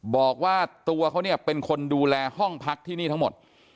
บอกว่าตัวเขาเนี่ยเป็นคนดูแลห้องพักที่นี่ทั้งหมด